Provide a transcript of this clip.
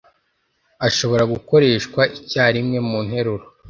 ashobora gukoreshwa icyarimwe mu nteruro.